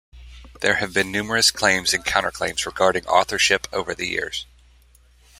There have been numerous claims and counterclaims regarding authorship over the years.